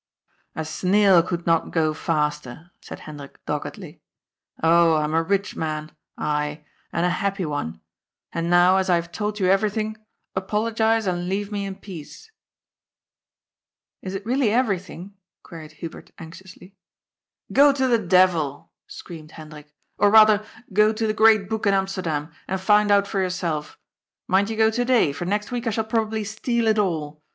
" A snail could not go faster,'* said Hendrik doggedly. " Oh, I am a rich man, I, and a happy one. And now, as I have told you everything, apologise and leave me in peace." " It is really everything ?" queried Hubert anxiously. " Go to the devil !" screamed Hendrik. *' Or rather, go to the * Great Book ' in Amsterdam and find out for your self. Mind you go to day, ior next week I shall probably steal it all.